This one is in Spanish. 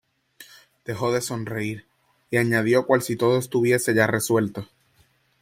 dejó de sonreír, y añadió cual si todo estuviese ya resuelto: